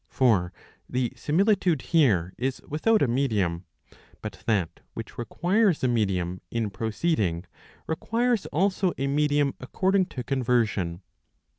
For the similitude here is without a medium. But that which requires a medium in proceeding, requires also a medium according to conversion.